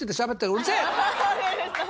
うるせえ。